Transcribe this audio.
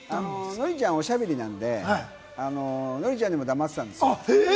ノリちゃん、お喋りなので、ノリちゃんにも黙ってたんですよ。